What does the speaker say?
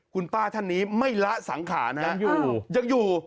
คุณป้าท่านนี้ไม่ละสังขารยังอยู่